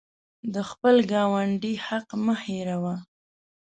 د خپل ګاونډي حق مه هیروه.